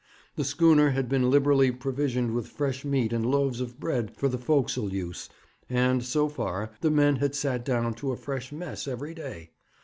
The schooner had been liberally provisioned with fresh meat and loaves of bread for the forecastle use, and, so far, the men had sat down to a fresh mess every day.